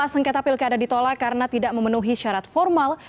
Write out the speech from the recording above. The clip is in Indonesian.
dua sengketa pilkada ditolak karena tidak memenuhi syarat formal